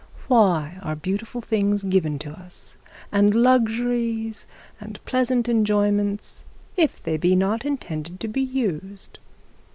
Why are beautiful things given to us, and luxuries and pleasant enjoyments, if they be not intended to be used?